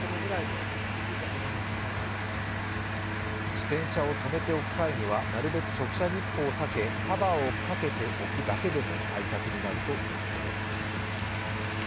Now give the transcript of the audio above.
自転車を止めておく際にはなるべく直射日光を避け、カバーをかけておくだけでも対策になるということです。